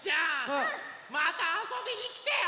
またあそびにきてよ！